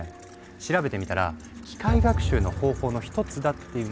調べてみたら機械学習の方法の１つだっていうんだけど。